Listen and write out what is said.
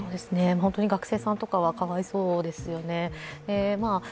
学生さんとかは本当にかわいそうですよね。